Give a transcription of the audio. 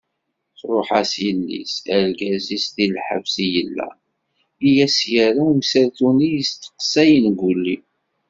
Truḥ-as yelli-s, argaz-is di lḥebs i yella, i as-yerra umsaltu-nni yesteqsayen Guli.